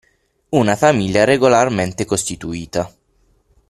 Una famiglia regolarmente costituita.